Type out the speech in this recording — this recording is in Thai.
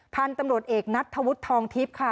พันธุ์ตำรวจเอกนัทธวุฒิทองทิพย์ค่ะ